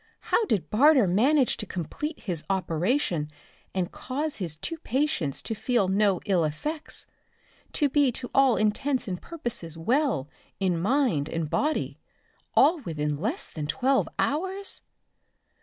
How did Barter manage to complete his operation and cause his two patients to feel no ill effects, to be to all intents and purposes well in mind and body all within less than twelve hours?